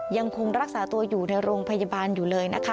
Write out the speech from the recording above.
ยังคงรักษาตัวอยู่ในโรงพยาบาลอยู่เลยนะคะ